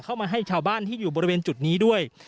เข้ามาให้ชาวบ้านที่อยู่บริเวณจุดนี้ด้วย